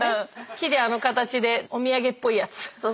木であの形でお土産っぽいやつ。